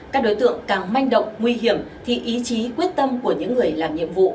các đối tượng càng manh động nguy hiểm thì ý chí quyết tâm của những người làm nhiệm vụ